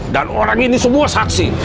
dan orang ini semua saksi